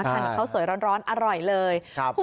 ทานข้าวสวยร้อนอร่อยเลย